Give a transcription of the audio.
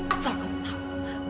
asal kamu tahu